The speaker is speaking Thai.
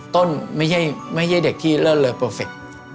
ต้นไม่ใช่เด็กที่เลิศเลย